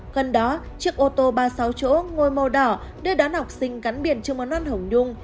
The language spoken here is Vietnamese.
gần đó chiếc ô tô ba mươi sáu chỗ ngôi màu đỏ đưa đón học sinh cắn biển trường mầm non hồng nhung